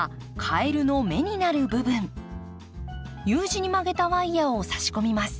Ｕ字に曲げたワイヤーをさし込みます。